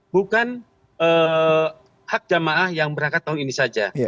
bukan hak jamaah yang berangkat tahun ini saja